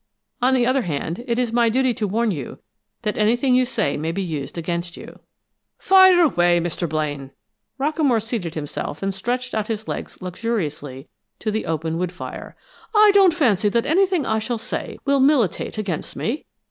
On the other hand, it is my duty to warn you that anything you say may be used against you." "Fire away, Mr. Blaine!" Rockamore seated himself and stretched out his legs luxuriously to the open wood fire. "I don't fancy that anything I shall say will militate against me.